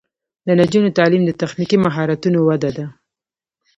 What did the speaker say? د نجونو تعلیم د تخنیکي مهارتونو وده ده.